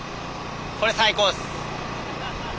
これ最高っす。